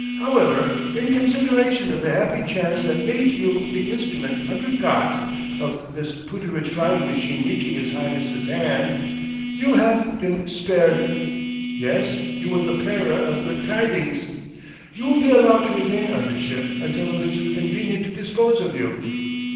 "However, in consideration of the happy chance that mate you the instrument unter Gott of this Pooterage flying machine reaching his Highness's hand, you haf been spared. Yes, you were the pearer of goot tidings. You will be allowed to remain on this ship until it is convenient to dispose of you.